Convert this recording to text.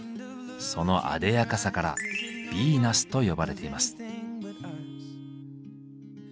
そのあでやかさから「ヴィーナス」と呼ばれています。